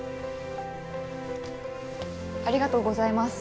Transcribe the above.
ありがとうございます。